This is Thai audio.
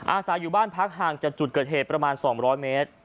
อาศัยอยู่บ้านพักห่างจากจุดเกิดเหตุประมาณ๒๐๐เมตร